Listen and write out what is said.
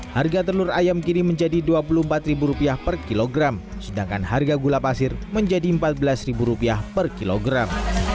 harga telur ayam kini menjadi rp dua puluh empat per kilogram sedangkan harga gula pasir menjadi rp empat belas per kilogram